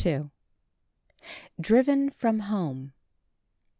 * *DRIVEN FROM HOME.